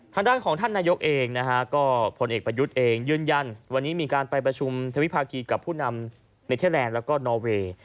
ทางด้านของท่านนายกเองนะฮะก็ผลเอกประยุทธ์เองยืนยันวันนี้มีการไปประชุมทวิภาคีกับผู้นำเนเทอร์แลนด์แล้วก็นอเวย์